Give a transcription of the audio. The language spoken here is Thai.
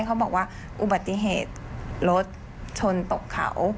เขาบอกว่าอุบัติเหตุรถชนตกเขา